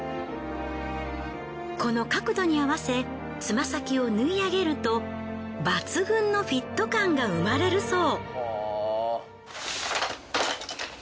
この角度に合わせつま先を縫いあげると抜群のフィット感が生まれるそう。